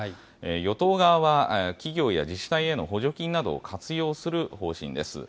与党側は、企業や自治体への補助金などを活用する方針です。